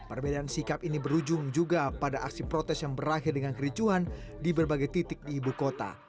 perbedaan sikap ini berujung juga pada aksi protes yang berakhir dengan kericuhan di berbagai titik di ibu kota